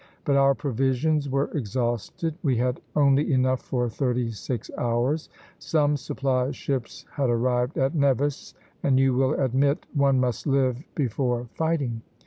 But our provisions were exhausted; We had only enough for thirty six hours. Some supply ships had arrived at Nevis, and you will admit one must live before fighting.